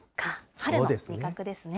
春の味覚ですね。